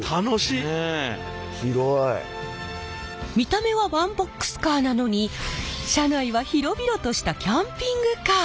見た目はワンボックスカーなのに車内は広々としたキャンピングカー！